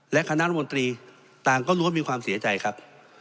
และคณะรัฐมนตรีต่างก็ล้วนมีความเสียใจครับ